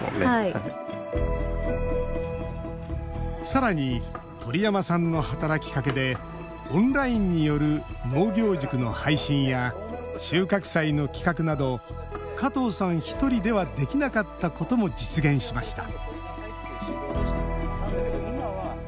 さらに鳥山さんの働きかけでオンラインによる農業塾の配信や収穫祭の企画など加藤さん１人ではできなかったことも実現しました